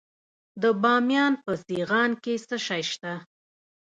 د بامیان په سیغان کې څه شی شته؟